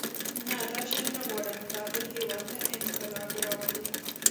نه دا شی نه غواړم دا به هېواد ته انقلاب راولي.